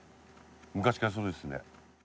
昔からそうですね。